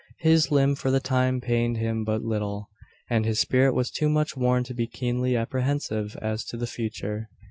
His limb for the time pained him but little; and his spirit was too much worn to be keenly apprehensive as to the future.